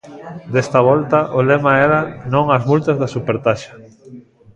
Desta volta, o lema era 'Non ás multas da supertaxa'.